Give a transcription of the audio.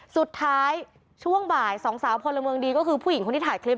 สุดท้ายช่วงบ่าย๒สาวพลเมืองดีก็คือผู้หญิงที่ถ่ายคลิป